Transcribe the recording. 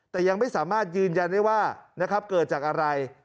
แต่ยังไม่สามารถยืนยันได้ว่าเกิดจากอะไร